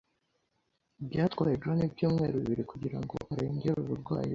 Byatwaye John ibyumweru bibiri kugirango arengere uburwayi bwe.